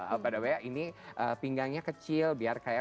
apalagi ini pinggangnya kecil biar kayak